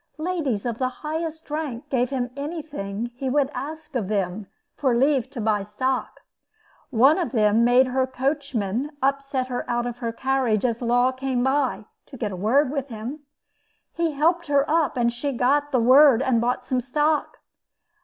Ladies of the highest rank gave him anything he would ask of them for leave to buy stock. One of them made her coachmen upset her out of her carriage as Law came by, to get a word with him. He helped her up; she got the word, and bought some stock.